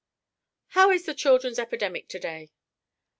"How is the children's epidemic to day?"